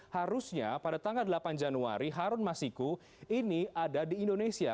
harusnya pada tanggal delapan januari harun masiku ini ada di indonesia